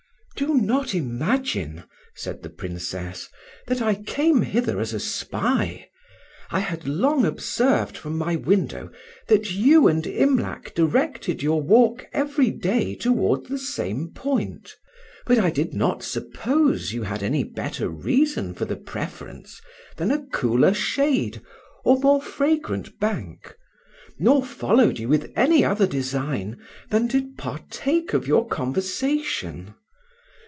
"Do not imagine," said the Princess, "that I came hither as a spy. I had long observed from my window that you and Imlac directed your walk every day towards the same point, but I did not suppose you had any better reason for the preference than a cooler shade or more fragrant bank, nor followed you with any other design than to partake of your conversation.